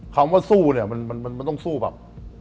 คำว่าสู้เนี่ยมันต้องสู้แบบ